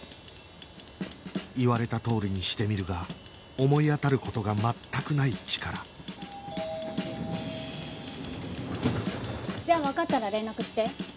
言われたとおりにしてみるが思い当たる事が全くないチカラじゃあわかったら連絡して。